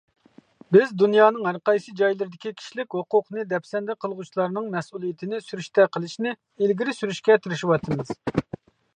بىز دۇنيانىڭ ھەر قايسى جايلىرىدىكى كىشىلىك ھوقۇقنى دەپسەندە قىلغۇچىلارنىڭ مەسئۇلىيىتىنى سۈرۈشتە قىلىشنى ئىلگىرى سۈرۈشكە تىرىشىۋاتىمىز.